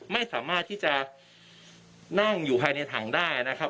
ไม่สามารถที่จะนั่งอยู่ภายในถังได้นะครับ